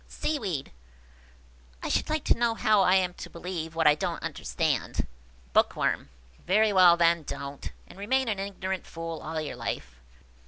Seaweed. " I should like to know how I am to believe what I don't understand." Bookworm. "Very well, then, don't! and remain an ignorant fool all your life.